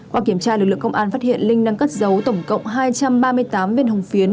qua kiểm tra lực lượng công an phát hiện linh đang cất giấu tổng cộng hai trăm ba mươi tám viên hồng phiến